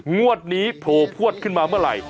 งวดนี้โผล่พวดขึ้นมาเมื่อไหร่